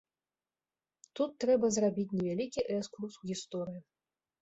Тут трэба зрабіць невялікі экскурс у гісторыю.